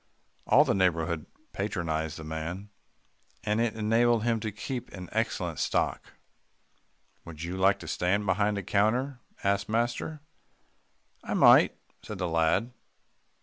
All the neighbourhood patronised the man, and it enabled him to keep an excellent stock. "Would you like to stand behind a counter?" asked master. "I might," said the lad.